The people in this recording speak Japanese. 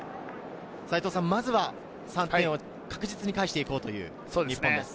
まずは３点を確実に返していこうという日本です。